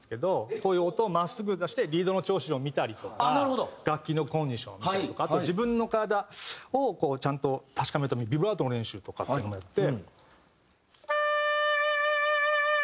こういう音を真っすぐ出してリードの調子を見たりとか楽器のコンディションを見たりとかあと自分の体をちゃんと確かめるためにビブラートの練習とかっていうのもやって。